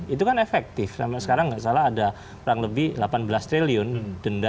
itu kan efektif sampai sekarang nggak salah ada kurang lebih delapan belas triliun denda